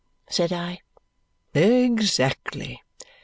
said I. "Exactly!"